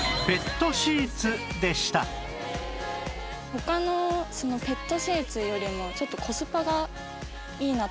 他のペットシーツよりもちょっとコスパがいいなと思って。